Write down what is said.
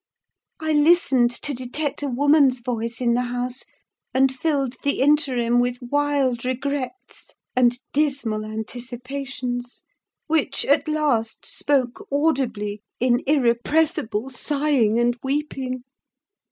I listened to detect a woman's voice in the house, and filled the interim with wild regrets and dismal anticipations, which, at last, spoke audibly in irrepressible sighing and weeping.